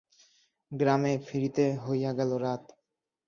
গ্রামে ফিরিতে হইয়া গেল রাত।